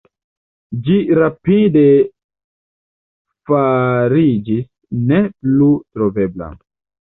Ĝi rapide fariĝis ne plu trovebla.